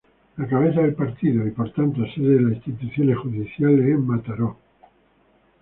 La cabeza de partido y por tanto sede de las instituciones judiciales es Mataró.